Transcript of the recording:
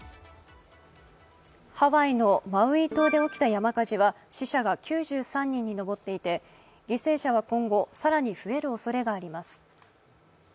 ハワイのマウイ島で起きた山火事は死者が９３人に上っていて、犠牲者は今後、更に増えるおそれがあります。